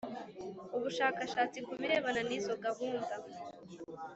ubushakashatsi ku birebana nizo gahunda